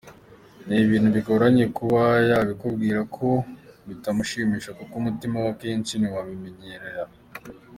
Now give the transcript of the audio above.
Ni ibintu bigoranye kuba yabikubwira ko bitamushimisha kuko umutima we akenshi ntiwabimwemerera.